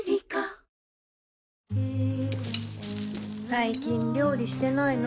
最近料理してないの？